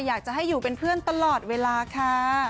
อยากจะให้อยู่เป็นเพื่อนตลอดเวลาค่ะ